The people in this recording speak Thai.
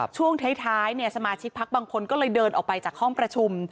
ช่วงท้ายสมาชิกพักบางคนก็เลยเดินออกไปจากห้องประชุม